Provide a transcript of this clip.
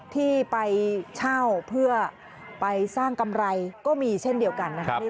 ที่ไปเช่าเพื่อไปสร้างกำไรก็มีเช่นเดียวกันนะครับ